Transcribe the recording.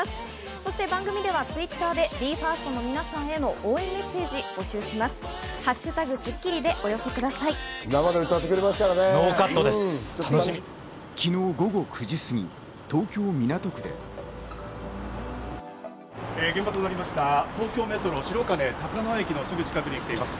そして番組ではＴｗｉｔｔｅｒでＢＥ：ＦＩＲＳＴの皆さんへの応援メッセージを募集します。